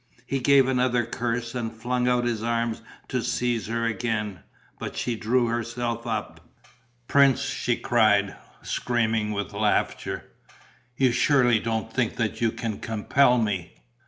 He gave another curse and flung out his arms to seize her again, but she drew herself up: "Prince!" she cried, screaming with laughter. "You surely don't think that you can compel me?"